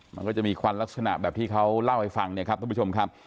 มันก็จะมีควันลักษณะแบบที่เขาเล่าให้ฟังเนี่ยครับท่านผู้ชมครับ